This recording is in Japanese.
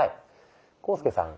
浩介さん